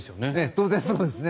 当然そうですね。